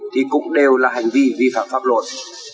thì cũng đều là hành vi vi phạm pháp luật